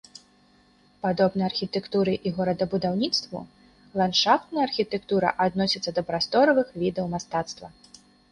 Падобна архітэктуры і горадабудаўніцтву ландшафтная архітэктура адносіцца да прасторавых відаў мастацтва.